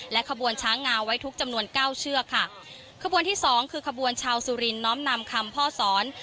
ขบวนช้างงาไว้ทุกจำนวนเก้าเชือกค่ะขบวนที่สองคือขบวนชาวสุรินน้อมนำคำพ่อสอน